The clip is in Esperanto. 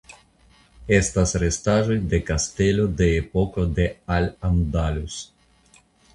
Estas restaĵoj de kastelo de epoko de Al Andalus.